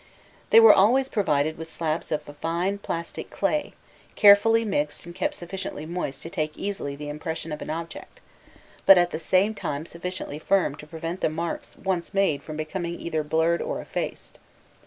They were always provided with slabs of a fine plastic clay, carefully mixed and kept sufficiently moist to take easily the impression of an object, but at the same time sufficiently firm to prevent the marks once made from becoming either blurred or effaced.